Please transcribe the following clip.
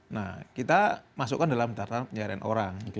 nah kita masukkan dalam tataran pencarian orang